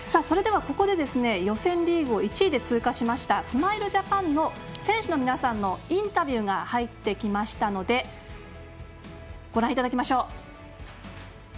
それでは、ここで予選リーグを１位で通過しましたスマイルジャパンの選手の皆さんのインタビューが入ってきましたのでご覧いただきましょう。